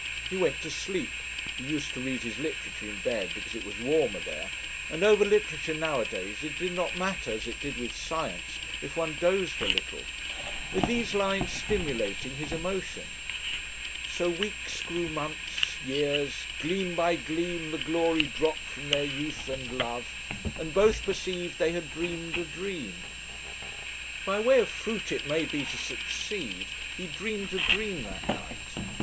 He went to sleep he used to read his literature in bed because it was warmer there, and over literature nowadays it did not matter as it did with science if one dozed a little with these lines stimulating his emotion: "So weeks grew months, years; gleam by gleam The glory dropped from their youth and love, And both perceived they had dreamed a dream." By way of fruit it may be to such seed, he dreamed a dream that night.